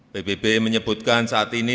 pbb menyebutkan saat ini